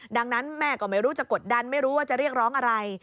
ดังนั้นแม่ก็ไม่รู้จะกดดันไม่รู้ว่าจะเรียกร้องอะไร